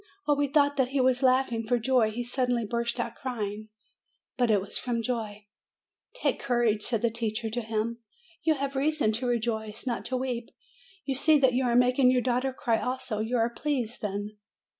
While we thought that he was laughing for joy, he suddenly burst out crying. But it was from joy. 'Take courage," said the teacher to him; "you have reason to rejoice, not to weep. You see that you are making your daughter cry also. You are pleased, then?"